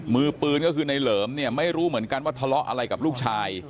มือปืนก็คือในเหลิมเนี่ยไม่รู้เหมือนกันว่าทะเลาะอะไรกับลูกชาย